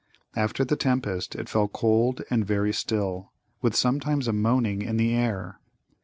After the tempest, it fell cold and very still, with sometimes a moaning in the air.